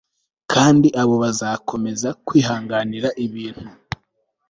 Kandi abo bazakomeza kwihanganira ibintu